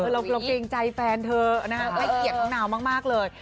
เราเกรงใจแฟนเธอให้เกียรติน้องนาวมากเลย